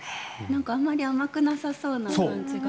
あまり甘くなさそうな感じが。